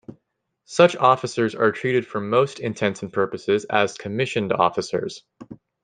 Such officers are treated for most intents and purposes as commissioned officers.